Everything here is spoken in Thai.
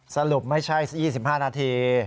สรุปไม่ใช่๒๕นาที